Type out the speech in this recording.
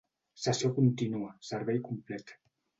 Sessió contínua, servei complet.